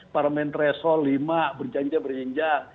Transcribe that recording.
parlement threshold lima berjanjian berinjak